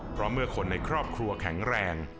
เพราะเมื่อคนในครอบครัวแข็งแรง